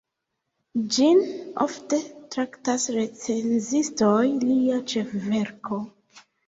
Ĝin ofte traktas recenzistoj lia ĉefverko.